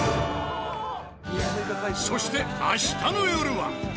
そして明日のよるは。